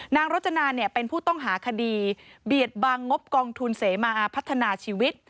รจนาเป็นผู้ต้องหาคดีเบียดบังงบกองทุนเสมาอาพัฒนาชีวิต